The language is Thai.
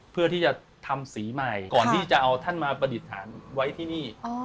เพื่อที่จะทำสีใหม่ก่อนที่จะเอาท่านมาประดิษฐานไว้ที่นี่